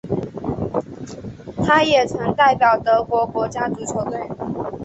他也曾代表德国国家足球队。